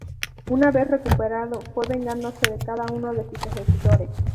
Una vez recuperado, fue vengándose de cada uno de sus ejecutores.